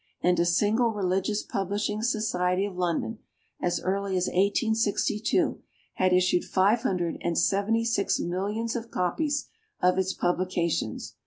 And a single religious publishing society of London, as early as 1862, had issued five hundred and seventy six millions of copies of its publications.